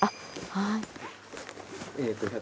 はい。